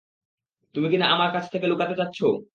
তুমি কিনা আমার কাছ থেকে লুকাতে চাচ্ছো?